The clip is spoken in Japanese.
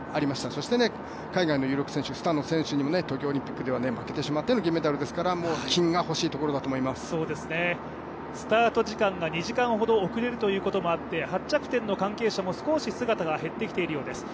そして海外の有力選手にもスタノ選手に東京オリンピックでは負けてしまっての銀メダルですからスタート時間が２時間ほど遅れるということもあって発着点の観客も少し減ってきているようです。